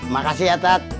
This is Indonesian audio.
makasih ya tat